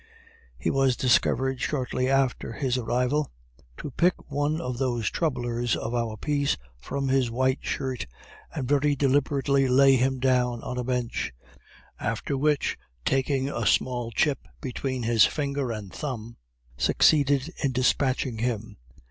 He was discovered, shortly after his arrival, to pick one of those troublers of our peace from his white shirt, and very deliberately lay him down on a bench, after which, taking a small chip between his finger and thumb, succeeded in dispatching him.